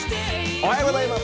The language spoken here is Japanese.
おはようございます。